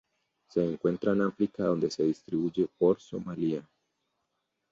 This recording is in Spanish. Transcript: Se encuentra en África donde se distribuye por Somalía.